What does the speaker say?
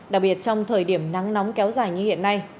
đặc biệt trong thời điểm nắng nóng kéo dài như hiện nay